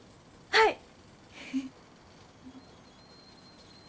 はい！